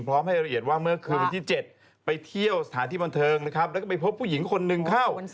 ขึ้นวันที่๗ไปเที่ยวสถานที่บรรเทิงแล้วก็ไปพบผู้หญิงคนนึงเข้า